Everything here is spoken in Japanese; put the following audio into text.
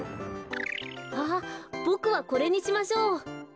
あっボクはこれにしましょう。